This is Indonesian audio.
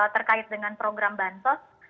terkait dengan program bantos